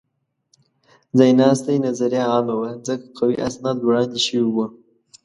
ځایناستې نظریه عامه وه؛ ځکه قوي اسناد وړاندې شوي وو.